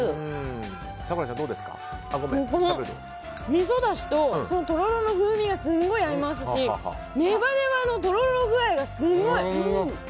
みそだしと、とろろの風味がすごい合いますしネバネバのとろろ具合がすごい！